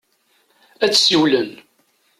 Ad d-siwlen.